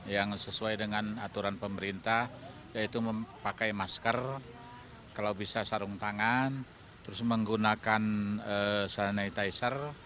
yang sesuai dengan aturan pemerintah yaitu memakai masker kalau bisa sarung tangan terus menggunakan sanitizer